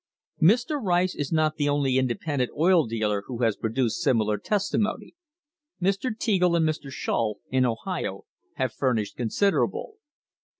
* Mr. Rice is not the only independent oil dealer who has produced similar testimony. Mr. Teagle and Mr. Shull, in Ohio, have furnished considerable.